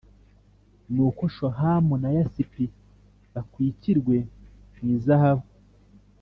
Ni uko Shohamu na Yasipi bakwikirwe mu izahabu